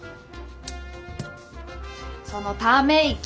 そのため息。